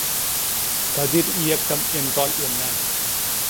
கதிரியக்கம் என்றால் என்ன?